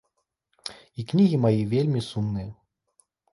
І кнігі мае вельмі сумныя.